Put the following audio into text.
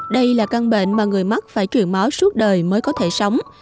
đây là căn bệnh mà người mắt phải truyền máu suốt đời mới có thể sống